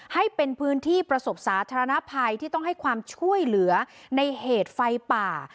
ให้เป็นพื้นที่ประสบสาธารณภัยที่ต้องให้ความช่วยเหลือในเหตุไฟป่า